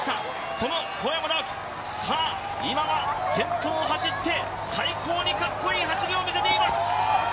その小山直城、さぁ、今、先頭を走って最高にかっこいい走りを見せています。